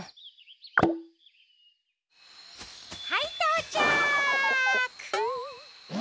はいとうちゃく！